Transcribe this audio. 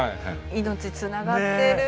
命つながってる。